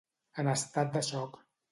En estat de xoc.